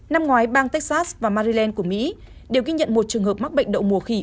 năm ngoái bang texas và maryland của mỹ đều ghi nhận một trường hợp mắc bệnh đậu mùa khỉ